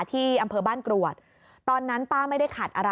ที่อำเภอบ้านกรวดตอนนั้นป้าไม่ได้ขัดอะไร